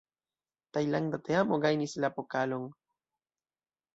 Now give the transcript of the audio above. Tajlanda teamo gajnis la pokalon.